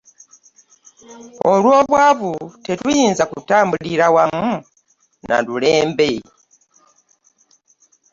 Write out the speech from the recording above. Olw'obwavu tetuyinza kutambulira wamu na mulembe.